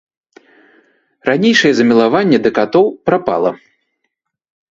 Ранейшае замілаванне да катоў прапала.